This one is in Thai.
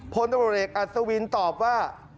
พลตำรวจเอกอัศวินตอบว่า